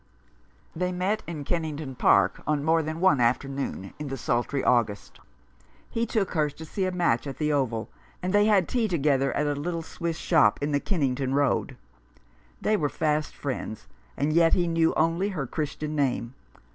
They met in Kennington Park on more than one afternoon in the sultry August. He took her to see a match at the Oval, and they had tea together at a little Swiss shop in the Kennington Road. They were fast friends, and yet he knew only her Christian name.